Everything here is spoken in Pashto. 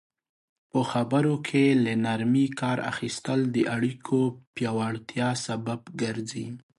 په خبرو کې له نرمي کار اخیستل د اړیکو پیاوړتیا سبب ګرځي.